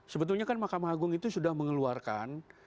sebetulnya kan mahkamah agung itu sudah mengeluarkan